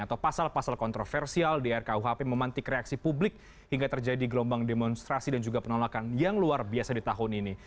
atau pasal pasal kontroversial di rkuhp memantik reaksi publik hingga terjadi gelombang demonstrasi dan juga penolakan yang luar biasa di tahun ini